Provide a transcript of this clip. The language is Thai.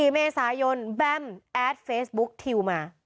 ๔เมษายนแบมแอดเฟซบุ๊คทิวมา